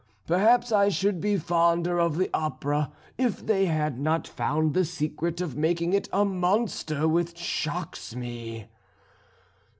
Perhaps I should be fonder of the opera if they had not found the secret of making of it a monster which shocks me.